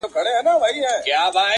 o خوار سو د ټره ونه لوېدئ٫